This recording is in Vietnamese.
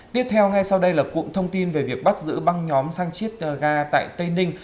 tiếp theo ngay sau đây là cụm thông tin về việc bắt giữ băng nhóm sang chiết ga tại tây ninh